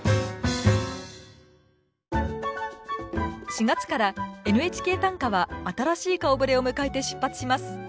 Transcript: ４月から「ＮＨＫ短歌」は新しい顔ぶれを迎えて出発します。